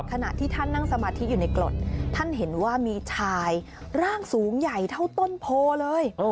ขณะที่ท่านนั่งสมาธิอยู่ในกรดท่านเห็นว่ามีชายร่างสูงใหญ่เท่าต้นโพเลย